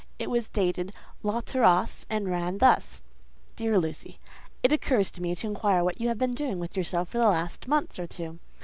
It was dated "La Terrasse," and it ran thus:— "DEAR LUCY,—It occurs to me to inquire what you have been doing with yourself for the last month or two?